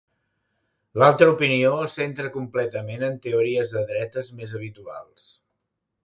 L'altra opinió es centra completament en teories de dretes més habituals.